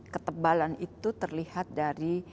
ketebalan itu terlihat dari